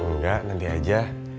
nggak nanti aja